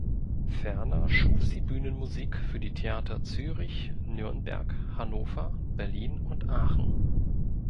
Ferner schuf sie Bühnenmusik für die Theater Zürich, Nürnberg, Hannover, Berlin und Aachen.